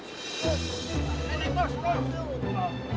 iya temen temen cepat dayungnya